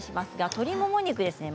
鶏もも肉ですね。